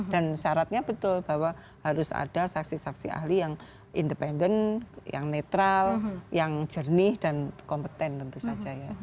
dan syaratnya betul bahwa harus ada saksi saksi ahli yang independen yang netral yang jernih dan kompeten tentu saja ya